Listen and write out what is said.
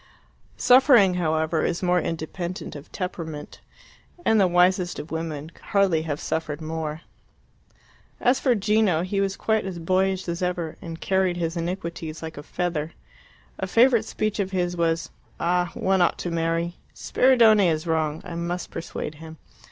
Suffering, however, is more independent of temperament, and the wisest of women could hardly have suffered more. As for Gino, he was quite as boyish as ever, and carried his iniquities like a feather. A favourite speech of his was, "Ah, one ought to marry! Spiridione is wrong; I must persuade him.